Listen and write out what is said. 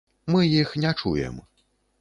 Мы іх не чуем.